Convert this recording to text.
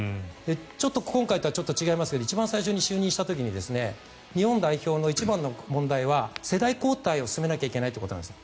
ちょっと今回とは違いますが一番最初に就任した時に日本代表の一番の問題は世代交代を進めなきゃいけないということなんです。